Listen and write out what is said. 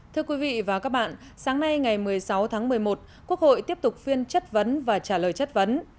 thưa quý vị và các bạn sáng nay ngày một mươi sáu tháng một mươi một quốc hội tiếp tục phiên chất vấn và trả lời chất vấn